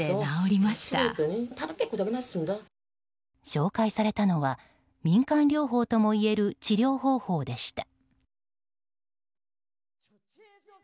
紹介されたのは民間療法ともいえる治療方法でした。